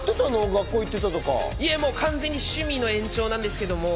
もう完全に趣味の延長なんですけど。